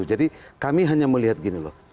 jadi kami hanya melihat gini loh